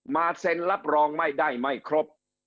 เซ็นรับรองไม่ได้ไม่ครบ